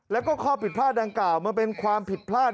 แล้วก็ข้อผิดพลาดดังกล่าวมันเป็นความผิดพลาด